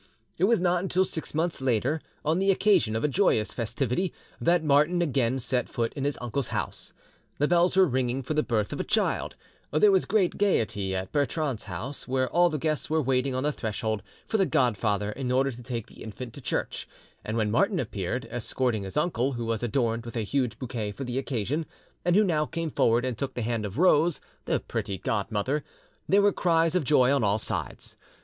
It was not until six months later, on the occasion of a joyous festivity, that Martin again set foot in his uncle's house. The bells were ringing for the birth of a child, there was great gaiety at Bertrande's house, where all the guests were waiting on the threshold for the godfather in order to take the infant to church, and when Martin appeared, escorting his uncle, who was adorned with a huge bouquet for the occasion, and who now came forward and took the hand of Rose, the pretty godmother, there were cries of joy on all sides.